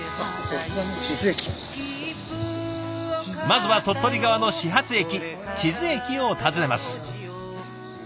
まずは鳥取側の始発駅智頭駅を訪ねます。